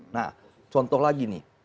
nah contoh lagi nih